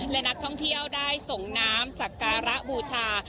และนักท่องเที่ยวได้ส่งน้ำสักการะบูชา